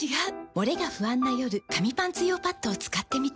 モレが不安な夜紙パンツ用パッドを使ってみた。